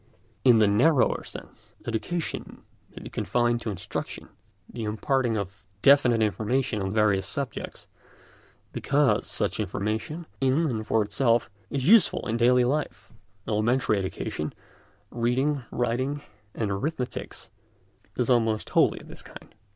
In the narrower sense, education may be confined to instruction, the imparting of definite information on various subjects, because such information, in and for itself, is useful in daily life. Elementary education—reading, writing, and arithmetic—is almost wholly of this kind.